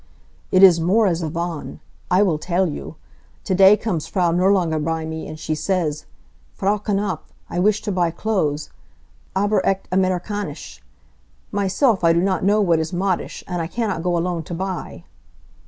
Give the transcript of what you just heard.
"It is more as a Von. I will tell you. Today comes Frau Nirlanger by me and she says: 'Frau Knapf, I wish to buy clothes, aber echt Amerikanische. Myself, I do not know what is modish, and I cannot go alone to buy.'"